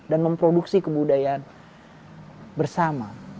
dan memproduksi kebudayaan bersama